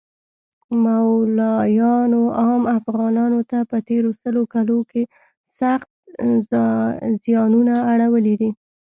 مولایانو عام افغانانو ته په تیرو سلو کلو کښی سخت ځیانونه اړولی دی